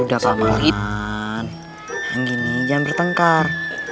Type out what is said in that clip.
udah paman yang gini jam bertengkar